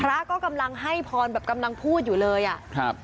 พระก็กำลังให้พรแบบกำลังพูดอยู่เลยอ่ะครับ